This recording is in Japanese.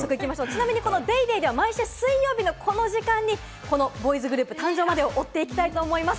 ちなみに『ＤａｙＤａｙ．』では毎週水曜日のこの時間にこのボーイズグループ誕生までを追っていきたいと思います。